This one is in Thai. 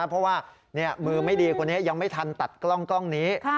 เพราะว่ามือไม่ดีคนนี้ยังไม่ทันตัดกล้องนี้